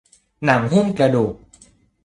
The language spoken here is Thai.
หนังหุ้มกระดูก